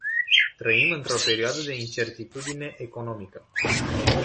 Trăim într-o perioadă de incertitudine economică.